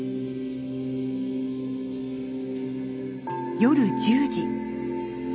夜１０時。